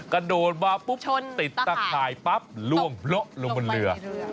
กระโดดมาปุ๊บติดตะข่ายปั๊บล่วงละลงบนเรือ